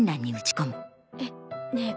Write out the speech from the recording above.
えっねえ